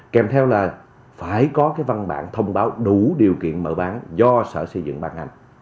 kèm theo là phải có cái văn bản thông báo đủ điều kiện mở bán do sở xây dựng ban hành